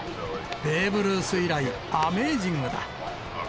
ベーブ・ルース以来、アメージングだ。